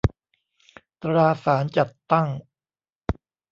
ตราสารจัดตั้ง